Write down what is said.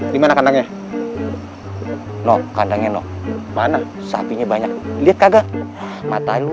di mana kadangnya loh kadang eno mana sapinya banyak lihat kagak matahari